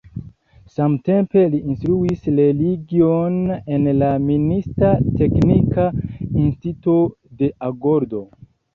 Samtempe, li instruis religion en la minista teknika instituto de Agordo.